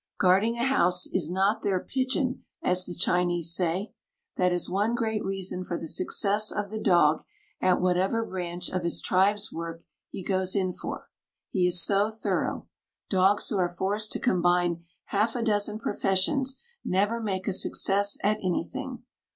Guarding a house is "not their pidgin" as the Chinese say. That is one great reason for the success of the dog at whatever branch of his tribe's work he goes in for he is so thorough. Dogs who are forced to combine half a dozen professions never make a success at anything.